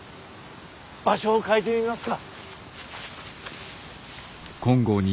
場所を変えてみますか。